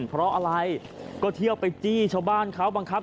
เพราะอะไรก็เที่ยวไปจี้ชาวบ้านเขาบังคับ